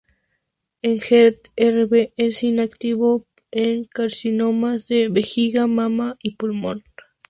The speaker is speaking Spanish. El gen Rb es inactivo en carcinomas de vejiga, mama y pulmón.